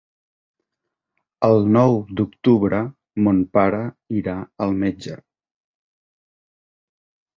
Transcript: El nou d'octubre mon pare irà al metge.